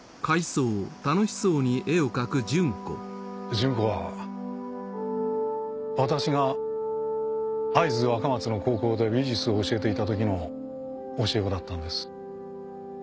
純子は私が会津若松の高校で美術を教えていたときの教え子だったんです。